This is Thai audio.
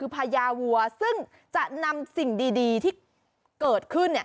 พญาวัวซึ่งจะนำสิ่งดีที่เกิดขึ้น